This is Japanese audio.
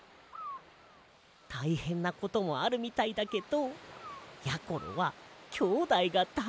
たいへんなこともあるみたいだけどやころはきょうだいがだいすきなんだな。